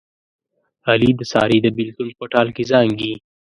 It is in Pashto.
علي د سارې د بلېتون په ټال کې زانګي.